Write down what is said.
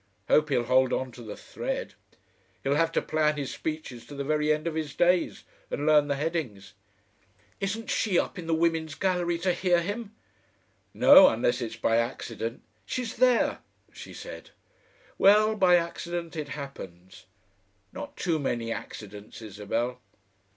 Hope he'll hold on to the thread. He'll have to plan his speeches to the very end of his days and learn the headings." "Isn't she up in the women's gallery to hear him?" "No. Unless it's by accident." "She's there," she said. "Well, by accident it happens. Not too many accidents, Isabel.